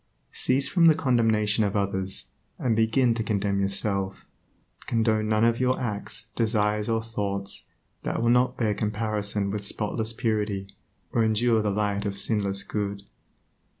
Cease from the condemnation of others, and begin to condemn yourself. Condone none of your acts, desires or thoughts that will not bear comparison with spotless purity, or endure the light of sinless good.